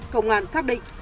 công an xác định